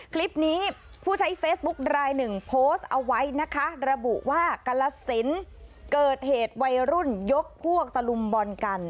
คลิปนี้ผู้ใช้เฟซบุ๊คลายหนึ่งโพสต์เอาไว้นะคะระบุว่ากรสินเกิดเหตุวัยรุ่นยกพวกตะลุมบอลกัน